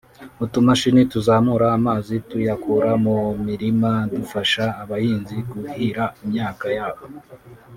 utumashini tuzamura amazi tuyakura mu mirima dufasha abahinzi kuhira imyaka yabo